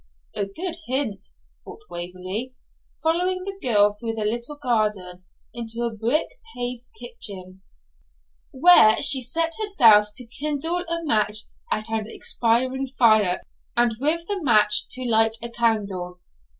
'A good hint,' thought Waverley, following the girl through the little garden into a brick paved kitchen, where she set herself to kindle a match at an expiring fire, and with the match to light a candle.